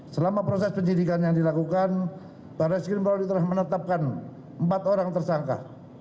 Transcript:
selama proses penyidikan yang dilakukan barada sekirimbali telah menetapkan empat orang tersangka